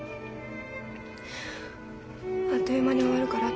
「あっという間に終わるから」